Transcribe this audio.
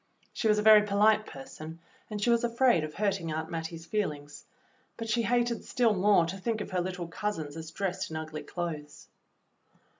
She was a very polite person, and she was afraid of hurting Aunt Mattie's feelings, but she hated still more to think of her little cousins as dressed in ugly clothes.